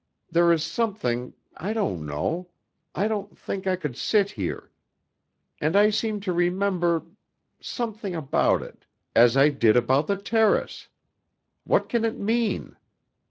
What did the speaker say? There is something I don't know I don't think I could sit here; and I seem to remember something about it, as I did about the terrace. What can it mean?"